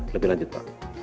lebih lanjut pak